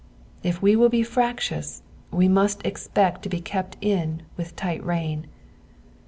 If we will be fractious, we must expect to be kept in with tight rein.